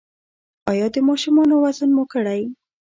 ایا د ماشومانو وزن مو کړی؟